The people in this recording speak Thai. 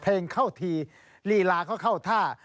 เพลงเข้าทีลีลาเขาเข้าท่า